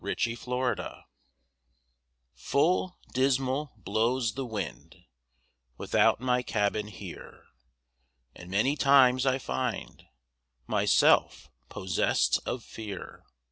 CONSOLATION Full dismal blows the wind Without my cabin, here, And many times I find Myself possessed of fear.